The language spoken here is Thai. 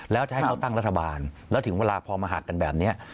แล้วจะให้เขาตั้งรัฐบาลแล้วถึงเวลาพอมาหักกันแบบนี้